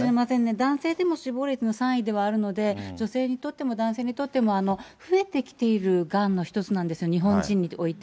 男性でも死亡率の３位ではあるので、女性にとっても男性にとっても、増えてきているがんの一つなんですよ、日本人において。